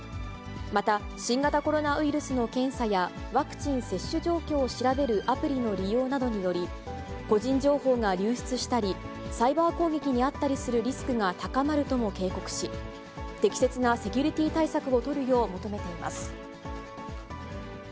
また、新型コロナウイルスの検査や、ワクチン接種状況を調べるアプリの利用などにより、個人情報が流出したり、サイバー攻撃に遭ったりするリスクが高まるとも警告し、適切なセキュリティー対策を取るよう求めています。